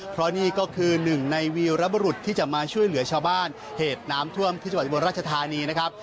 เพราะนี่ก็คือหนึ่งในวีรบรุษที่จะมาช่วยเหลือชาวบ้านเหตุน้ำท่วมที่จังหวัดอุบลราชธานีนะครับ